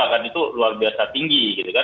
karena itu luar biasa tinggi